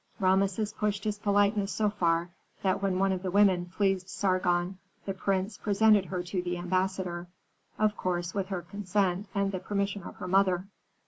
Rameses pushed his politeness so far that when one of the women pleased Sargon the prince presented her to the ambassador, of course with her consent and the permission of her mother.